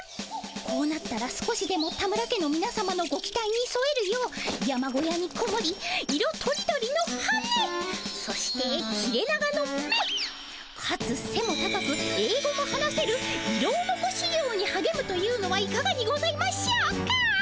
こうなったら少しでも田村家のみなさまのご期待にそえるよう山小屋にこもり色とりどりの羽そして切れ長の目かつせも高くえい語も話せるイロオノコしゅぎょうにはげむというのはいかがにございましょうか？